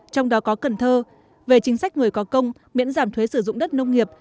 trong đó có cần thơ về chính sách người có công miễn giảm thuế sử dụng đất nông nghiệp